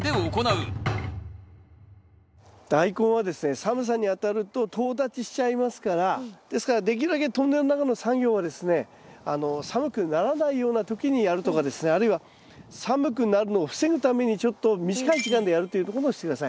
寒さにあたるととう立ちしちゃいますからですからできるだけトンネルの中の作業はですね寒くならないような時にやるとかですねあるいは寒くなるのを防ぐためにちょっと短い時間でやるということをして下さい。